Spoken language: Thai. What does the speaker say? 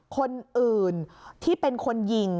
คนอื่นที่เป็นคนยิง